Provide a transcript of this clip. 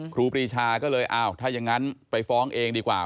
ครูปรีชาก็เลยอ้าวถ้าอย่างนั้นไปฟ้องเองดีกว่า